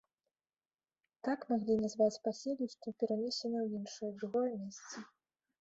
Так маглі назваць паселішча, перанесенае ў іншае, другое месца.